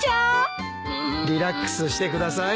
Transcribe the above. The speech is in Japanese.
リラックスしてください。